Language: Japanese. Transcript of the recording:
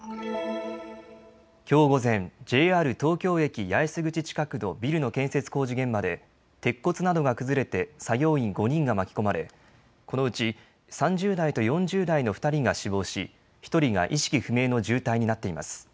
きょう午前、ＪＲ東京駅八重洲口近くのビルの建設工事現場で鉄骨などが崩れて作業員５人が巻き込まれ、このうち３０代と４０代の２人が死亡し、１人が意識不明の重体になっています。